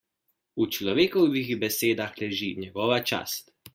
V človekovih besedah leži njegova čast.